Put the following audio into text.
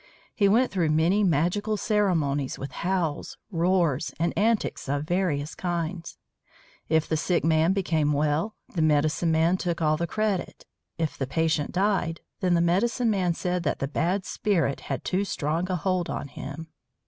He went through many magical ceremonies with howls, roars, and antics of various kinds. If the sick man became well, the medicine man took all the credit; if the patient died, then the medicine man said that the bad spirit had too strong a hold on him.